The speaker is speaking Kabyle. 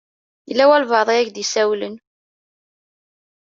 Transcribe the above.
Yella walebɛaḍ i ak-d-isawlen.